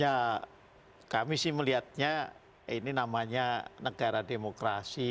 ya kami sih melihatnya ini namanya negara demokrasi